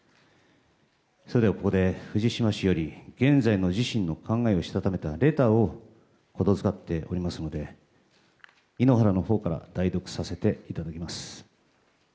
それではここで藤島氏より現在の自身の考えをしたためたレターを言付かっておりますので井ノ原のほうから代読させていただきます。